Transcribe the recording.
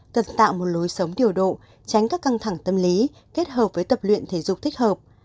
cần tạo một lối sống điều độ tránh các căng thẳng tâm lý kết hợp với tập luyện thể dục thích hợp